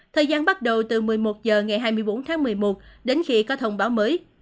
thời gian bắt đầu từ một mươi một h ngày hai mươi bốn tháng một mươi một đến khi có thông báo mới